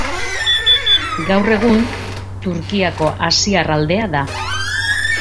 Gaur egun, Turkiako asiar aldea da.